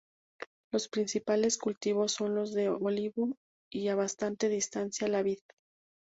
Los principales cultivos son los del olivo y, a bastante distancia, la vid.